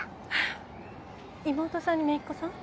妹さんにめいっ子さん？